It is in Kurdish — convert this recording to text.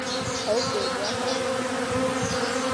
Ew bêriya bavê xwe dike.